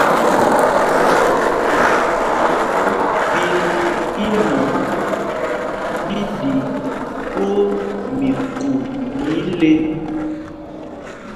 Ɓíl inɔn ɓí ɗi twóó miku mɛ ile.